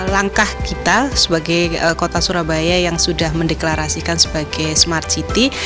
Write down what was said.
langkah kita sebagai kota surabaya yang sudah mendeklarasikan sebagai smart city